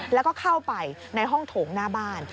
แล้วก็เข้าไปในห้องโถงหน้าบ้าน